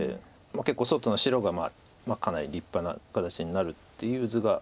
結構外の白がかなり立派な形になるっていう図が。